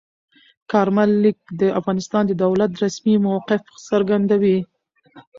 کارمل لیک د افغانستان د دولت رسمي موقف څرګندوي.